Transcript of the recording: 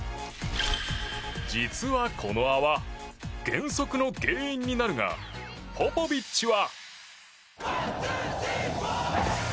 実はこの泡、減速の原因になるがポポビッチは。